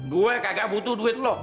gue kagak butuh duit loh